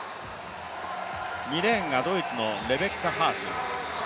２レーンがドイツのレベッカ・ハース。